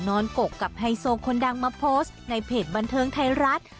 กกกับไฮโซคนดังมาโพสต์ในเพจบันเทิงไทยรัฐ